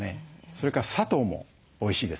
それから砂糖もおいしいです。